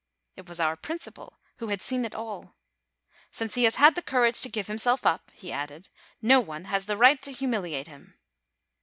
It was our principal, who had seen it all. "Since he has had the courage to give him self up," he added, "no one has the right to humiliate him."